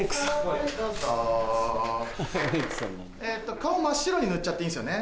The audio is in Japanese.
顔真っ白に塗っちゃっていいんですよね？